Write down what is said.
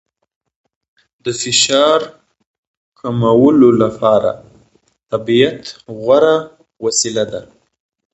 د فشار کمولو لپاره طبیعت غوره وسیله ده.